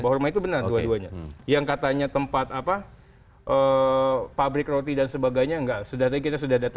bahwa rumah itu benar dua duanya yang katanya tempat apa pabrik roti dan sebagainya enggak sudah tadi kita sudah datang dua duanya